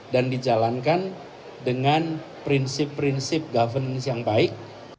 dan dijalankan dengan prinsip prinsip governance yang baik